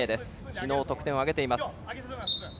昨日、得点を挙げています。